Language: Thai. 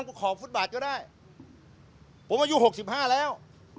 ขอบฟุตบาทก็ได้ผมอายุหกสิบห้าแล้ว